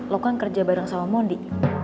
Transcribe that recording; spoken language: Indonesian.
lo kan kerja bareng sama mondi